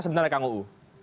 sebenarnya kang uu